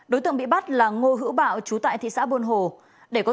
đối tượng bị bắt là ngô hữu bảo chú tại thị xã buôn hồ